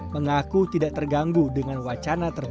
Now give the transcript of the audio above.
mengaku tidak terganggu dengan wacana tersebut